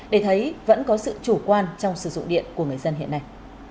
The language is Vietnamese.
để thấy vẫn có sự chủ quan trong sử dụng điện của người dân hiện nay